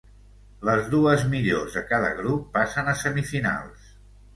Les dues millors de cada grup passen a semifinals.